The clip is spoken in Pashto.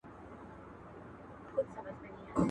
قاتل هم ورسره ژاړي لاس په وینو تر څنګلي!